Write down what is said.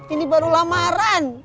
ini baru lamaran